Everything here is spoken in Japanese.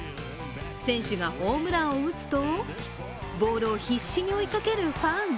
選手がホームランを打つと、ボールを必死に追いかけるファン。